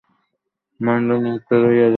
মহেন্দ্র নিরুত্তর হইয়া রহিল।